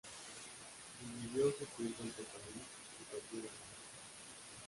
Dividió su tiempo entre París y su taller en Nantes.